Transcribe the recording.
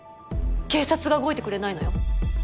警察が動いてくれないのよ。